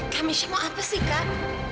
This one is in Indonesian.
kemisk mau apa sih kak